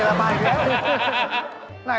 มีระบายอยู่แล้ว